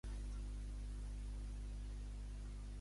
Esbufego tranquil i recordo que no porto bitllet.